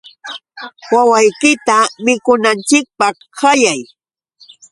Wawiykita mikunanchikpaq ayay.